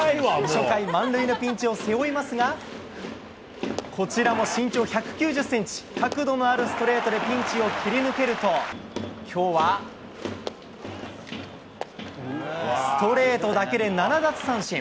初回、満塁のピンチを背負いますが、こちらも身長１９０センチ、角度のあるストレートでピンチを切り抜けると、きょうはストレートだけで７奪三振。